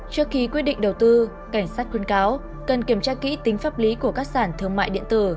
trước khi quyết định đầu tư cảnh sát khuyến cáo cần kiểm tra kỹ tính pháp lý của các sản thương mại điện tử